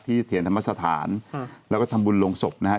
เถียรธรรมสถานแล้วก็ทำบุญลงศพนะฮะ